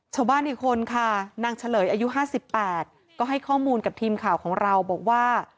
ชาวบ้านอีกคนค่ะนางเฉลยอายุ๕๘ก็ให้ข้อมูลกับทีมข่าวของเราบอกว่า